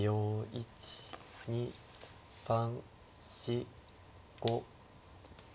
１２３４５。